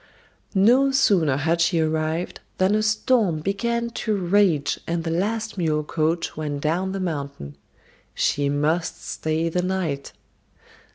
No sooner had she arrived than a storm began to rage and the last mule coach went down the mountain. She must stay the night!